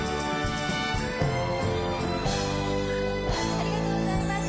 ありがとうございます。